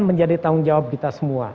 menjadi tanggung jawab kita semua